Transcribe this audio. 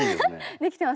できてますか？